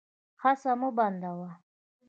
هڅه مه بندوه.